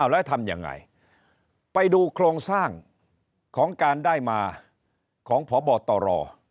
แล้วทำยังไงไปดูโครงสร้างของการได้มาของพบตร